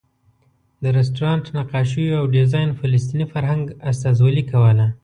د رسټورانټ نقاشیو او ډیزاین فلسطیني فرهنګ استازولې کوله.